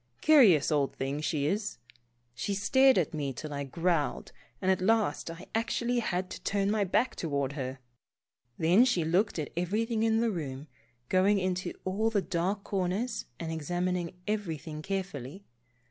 Curious old thing she is. She stared at me till I growled, and at last I actually had to turn my back toward her. Then she looked at everything in the room, going into all the dark corners and examining everything carefully.